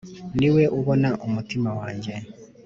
n niwe ubona umutima wanjye